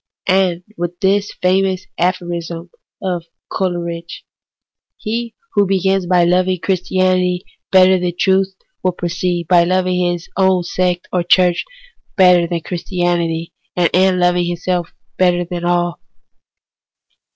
And with this famous aphorism of Coleridge ^—' He who begins by loving Christianity better than Truth, will proceed by loving his own sect or Church better than Christianity, and end in loving himself better than all.'